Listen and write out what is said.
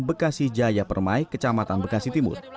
bekasi jaya permai kecamatan bekasi timur